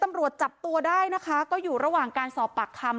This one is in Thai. ตำรวจจับตัวได้นะคะก็อยู่ระหว่างการสอบปากคำ